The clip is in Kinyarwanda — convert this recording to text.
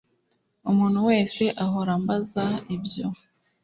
Umuntu wese ahora ambaza ibyo